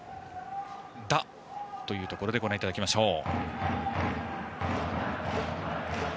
打というところでご覧いただきましょう。